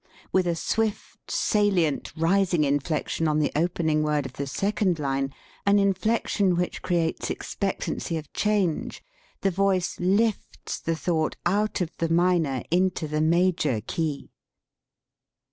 With a swift, salient, rising inflection on the opening word of the second line, an inflection which creates expectancy of change, the voice lifts the thought out of the minor into the major key.